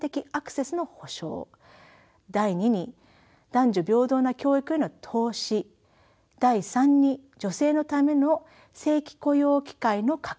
第２に男女平等な教育への投資第３に女性のための正規雇用機会の拡大を進めることです。